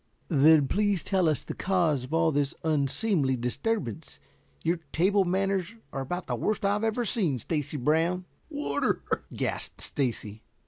"Then, please tell us the cause of all this unseemly disturbance. Your table manners are about the worst I ever saw, Stacy Brown." "Water," gasped Stacy.